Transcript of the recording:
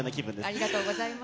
ありがとうございます。